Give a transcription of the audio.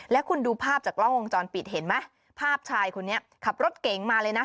แล้วคุณดูภาพจากกล้องวงจรปิดเห็นไหมภาพชายคนนี้ขับรถเก๋งมาเลยนะ